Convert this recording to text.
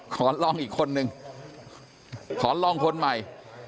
ขอลองอีกคนนึงขอลองคนใหม่